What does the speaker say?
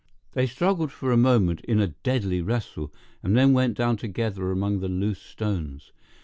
They struggled for a moment in a deadly wrestle, and then went down together among the loose stones.